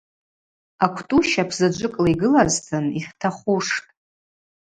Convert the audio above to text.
Аквтӏу щапӏзаджвыкӏла йгылазтын йхьтахуштӏ.